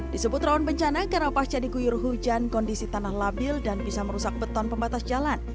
disebut rawan bencana karena pasca diguyur hujan kondisi tanah labil dan bisa merusak beton pembatas jalan